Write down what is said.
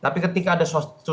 tapi ketika ada sosok